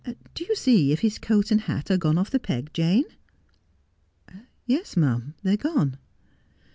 Do you see if his coat and hat are gone off the peg, Jane 1 '' Yes, ma'am. They're gone.'